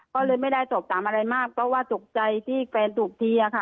ก็เลยไม่ได้สอบถามอะไรมากเพราะว่าตกใจที่แฟนถูกทีอะค่ะ